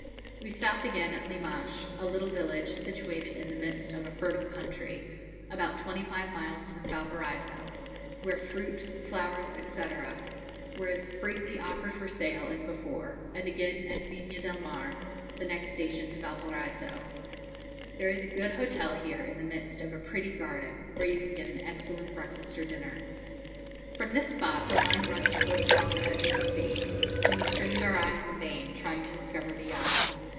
We stopped again at Limache, a little village, situated in the midst of a fertile country, about twenty five miles from Valparaiso, where fruit, flowers, &c., were as freely offered for sale as before, and again at Viña del Mar, the next station to Valparaiso. There is a good hotel here, in the midst of a pretty garden, where you can get an excellent breakfast or dinner. From this spot the line runs close along the edge of the sea, and we strained our eyes in vain, trying to discover the yacht.